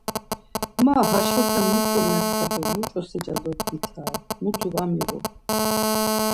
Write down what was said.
Ma haşote muç̌o mepta do muç̌o sica dobdgitare, mutu var miğun.